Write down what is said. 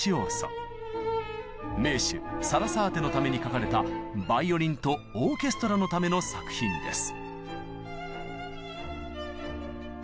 名手サラサーテのために書かれたバイオリンとオーケストラのための作品です。